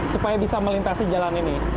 supaya bisa melintasi jalan ini